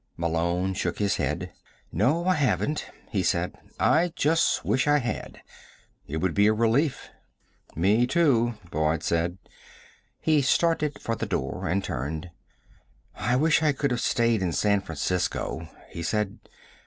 Malone shook his head. "No, I haven't," he said. "I just wish I had. It would be a relief." "Me, too," Boyd said. He started for the door and turned. "I wish I could have stayed in San Francisco," he said.